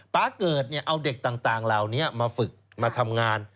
๊าเกิดเอาเด็กต่างเหล่านี้มาฝึกมาทำงาน